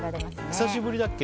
久しぶりだっけ